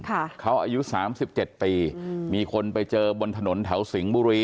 เขาอายุสามสิบเจ็ดปีอืมมีคนไปเจอบนถนนแถวสิงห์บุรี